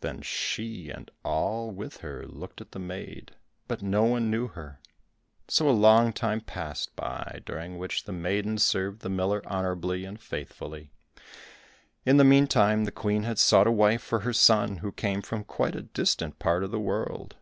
Then she and all with her looked at the maid, but no one knew her. So a long time passed by during which the maiden served the miller honorably and faithfully. In the meantime, the Queen had sought a wife for her son, who came from quite a distant part of the world.